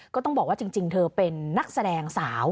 ก็ต้องบอกว่าจริงเธอเป็นนักแสดงสาว